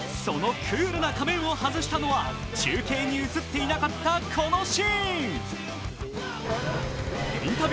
そのクールな仮面を外したのは中継に映っていなかったこのシーン。